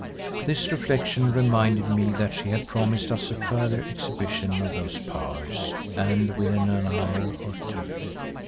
This reflection reminded me that she had promised us a further exhibition of those powers and within an hour or two.